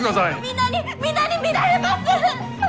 皆に皆に見られます！